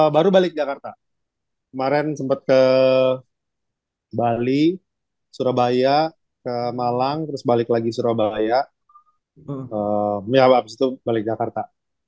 baru balik jakarta kemarin sempet ke bali surabaya ke malang terus balik lagi surabaya ya abis itu balik jakarta